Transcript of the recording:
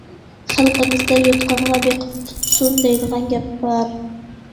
خەلقىمىزدە‹‹ يوتقانغا بېقىپ پۇت سۇن›› دەيدىغان گەپ بار.